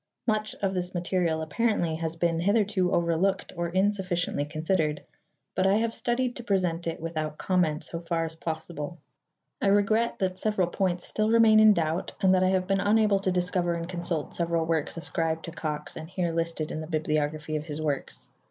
Much of this material apparently has been hitherto overlooked or insufficiently considered, but I have studied to present it without comment so far as possible. I regret that several points still remain in doubt and that I have been unable to discover and consult several works ascribed to Cox and here listed in the Bibliography of his Works.